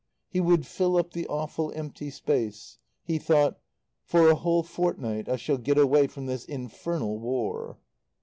He would fill up the awful empty space. He thought: "For a whole fortnight I shall get away from this infernal War."